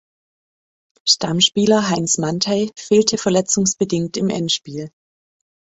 Stammspieler Heinz Manthey fehlte verletzungsbedingt im Endspiel.